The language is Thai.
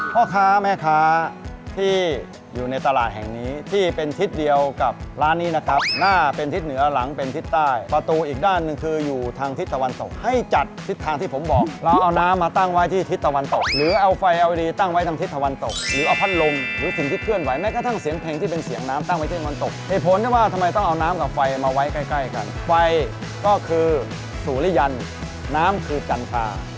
พ่อค้าแม่ค้าที่อยู่ในตลาดแห่งนี้ที่เป็นทิศเดียวกับร้านนี้นะครับหน้าเป็นทิศเหนือหลังเป็นทิศใต้ประตูอีกด้านหนึ่งคืออยู่ทางทิศตะวันตกให้จัดทิศทางที่ผมบอกเราเอาน้ำมาตั้งไว้ที่ทิศตะวันตกหรือเอาไฟเอาอีดีตั้งไว้ทางทิศตะวันตกหรือเอาพัดลมหรือสิ่งที่เคลื่อนไหวแม้กระทั่ง